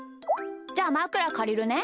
じゃあまくらかりるね。